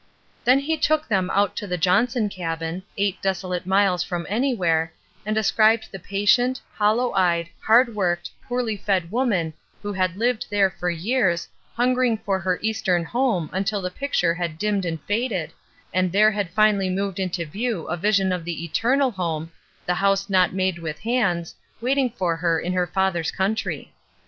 Then he took them out to the Johnson cabin, eight desolate miles from anywhere, and de scribed the patient, hollow eyed, hard worked, poorly fed woman who had lived there for years, hungering for her Eastern home until the pic ture had dimmed and faded, and there had finally moved into view a vision of the eternal 378 ESTER RIED^S NAMESAKE home, the "house not made with hands/' waiting for her in her Father's country.